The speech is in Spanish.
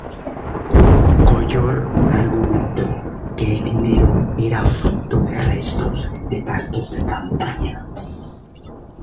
Collor argumentó que el dinero era fruto de restos de gastos de campaña.